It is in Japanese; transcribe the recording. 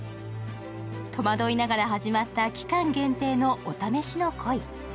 戸惑いながら始まった期間限定のお試しの恋。